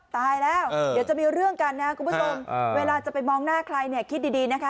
ตายแล้วเดี๋ยวจะมีเรื่องกันนะเพื่อจะไปมองหน้าใครนะคิดดีนะคะ